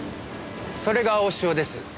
それが青潮です。